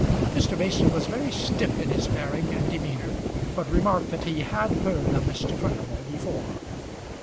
Mr. Mason was very stiff in his bearing and demeanour, but remarked that he had heard of Mr. Furnival before.